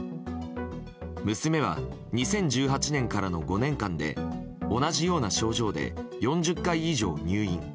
娘は２０１８年からの５年間で同じような症状で４０回以上入院。